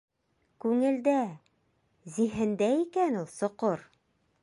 Күңелдә, зиһендә икән ул соҡор!